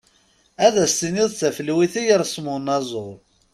Ad as-tiniḍ d tafelwit i yersem unaẓur.